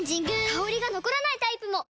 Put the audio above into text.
香りが残らないタイプも！